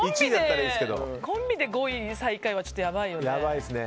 コンビで５位と最下位はちょっとやばいよね。